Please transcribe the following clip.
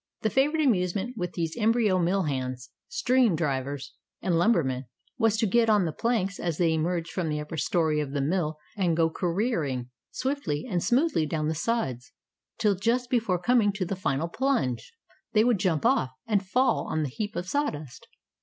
The favorite amusement with these embryo mill hands, stream drivers, and lumbermen, was to get on the planks as they emerged from the upper story of the mill, and go careering swiftly and smoothly down the slides, till, just before coming to the final plunge, they would jump off, and fall on the heap of sawdust.